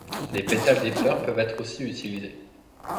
Les pétales des fleurs peuvent être aussi utilisés.